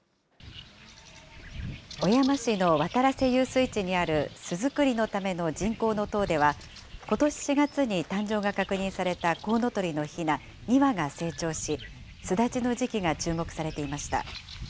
小山市の渡良瀬遊水地にある巣作りのための人工の塔では、ことし４月に誕生が確認されたコウノトリのひな２羽が成長し、巣立ちの時期が注目されていました。